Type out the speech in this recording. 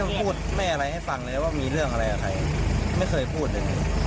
พูดไม่อะไรให้ฟังเลยว่ามีเรื่องอะไรกับใครไม่เคยพูดเลย